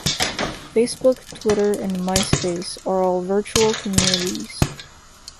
Facebook, Twitter, and Myspace are all virtual communities.